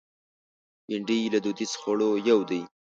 بېنډۍ له دودیزو خوړو یو دی